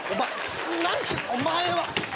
何してるお前は。